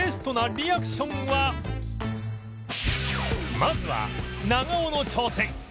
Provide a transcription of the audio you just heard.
まずは長尾の挑戦